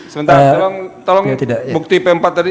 sebentar tolong bukti p empat tadi